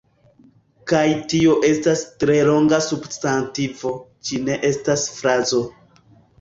Kaj tio estas tre longa substantivo, ĝi ne estas frazo: